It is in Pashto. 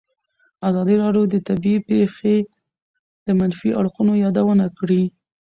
ازادي راډیو د طبیعي پېښې د منفي اړخونو یادونه کړې.